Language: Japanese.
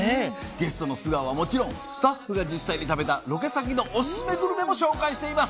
ゲストの素顔はもちろんスタッフが実際に食べたロケ先のお薦めグルメも紹介しています。